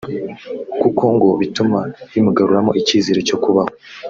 kuko ngo bituma bimugaruramo icyizere cyo kubaho